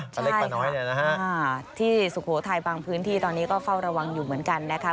ใช่ค่ะที่สุโขทัยบางพื้นที่ตอนนี้ก็เฝ้าระวังอยู่เหมือนกันนะคะ